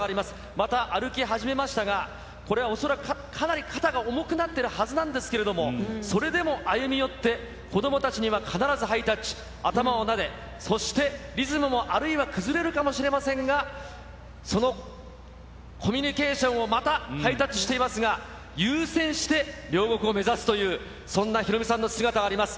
また歩き始めましたが、これは恐らくかなり肩が重くなってるはずなんですけれども、それでも歩み寄って、子どもたちには必ずハイタッチ、頭をなで、そしてリズムも、あるいは崩れるかもしれませんが、そのコミュニケーションをハイタッチしていますが、優先して両国を目指すという、そんなヒロミさんの姿があります。